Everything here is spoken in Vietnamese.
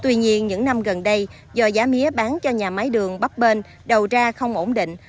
tuy nhiên những năm gần đây do giá mía bán cho nhà máy đường bắp bên đầu ra không ổn định